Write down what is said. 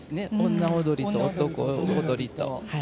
女踊りと、男踊りと。